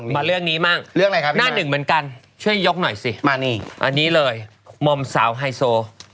มาเรื่องนี้บ้างหน้าหนึ่งเหมือนกันช่วยยกหน่อยสิอันนี้เลยมอมสาวไฮโซ